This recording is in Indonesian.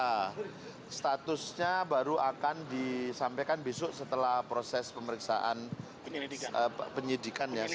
nah statusnya baru akan disampaikan besok setelah proses pemeriksaan penyelidikan satu x dua puluh empat jam